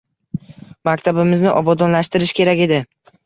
Maktabimizni obodonlashtirish kerak edi